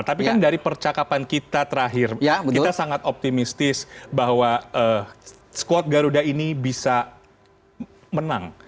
tapi kan dari percakapan kita terakhir kita sangat optimistis bahwa squad garuda ini bisa menang